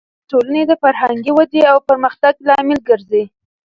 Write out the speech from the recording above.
مېلې د ټولني د فرهنګي ودئ او پرمختګ لامل ګرځي.